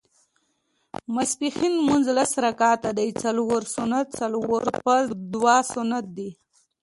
ماسپښېن لمونځ لس رکعته دی څلور سنت څلور فرض دوه سنت دي